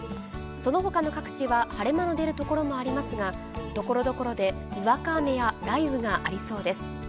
そのほかの各地は、晴れ間の出る所もありますが、ところどころでにわか雨や雷雨がありそうです。